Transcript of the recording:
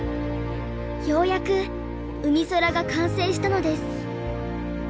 ようやくうみそらが完成したのです。